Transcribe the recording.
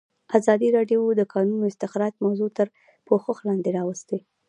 ازادي راډیو د د کانونو استخراج موضوع تر پوښښ لاندې راوستې.